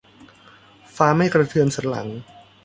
ฟ้าไม่กระเทือนสันหลัง